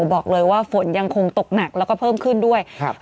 บอกเลยว่าฝนยังคงตกหนักแล้วก็เพิ่มขึ้นด้วยครับ